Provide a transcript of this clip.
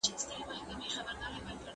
د مصنوعي ویډیوګانو نښې هر وخت بدلېږي.